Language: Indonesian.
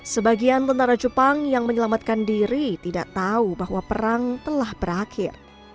sebagian tentara jepang yang menyelamatkan diri tidak tahu bahwa perang telah berakhir